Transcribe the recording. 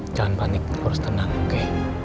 jangan panik lo harus tenang oke